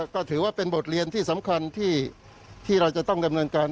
ก็ถือว่าเป็นบทเรียนที่สำคัญที่เราจะต้องดำเนินการ